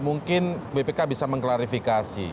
mungkin bpk bisa mengklarifikasi